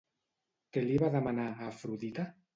Què li va demanar a Afrodita?